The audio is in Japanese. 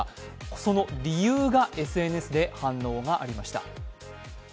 その理由がＳＮＳで反応がありました。